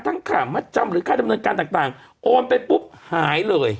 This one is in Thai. ขามัดจำหรือค่าดำเนินการต่างโอนไปปุ๊บหายเลย